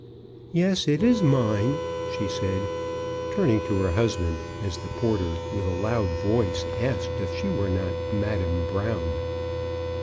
Yes, it is mine," she said, turning to her husband, as the porter, with a loud voice, asked if she were not Madame Brown.